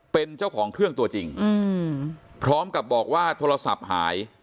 เป็นเจ้าของเครื่องตัวจริงพร้อมกับบอกว่าโทรศัพท์หาย